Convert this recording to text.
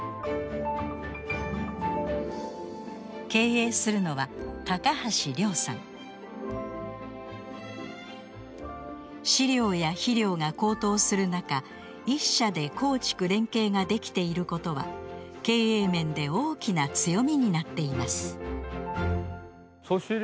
経営するのは飼料や肥料が高騰する中１社で耕畜連携ができていることは経営面で大きな強みになっています。